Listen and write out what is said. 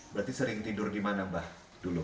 berarti sering tidur di mana mbah dulu